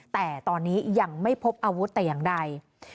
แต่ตอนนี้ยังไม่พบอาวุธแต่อย่างใด